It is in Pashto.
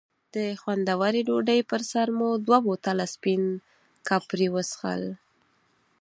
د خوندورې ډوډۍ پر سر مو دوه بوتله سپین کاپري وڅښل.